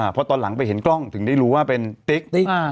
พอตอนหลังไปเห็นกล้องถึงได้รู้ว่าเป็นติ๊กติ๊ก